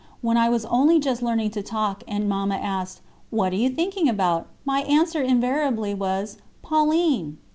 When I was only just learning to talk, and Mamma asked: "What are you thinking about?" my answer invariably was: "Pauline."